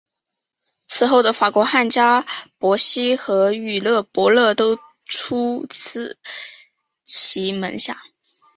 此后的法国汉学家伯希和与马伯乐都出自其门下。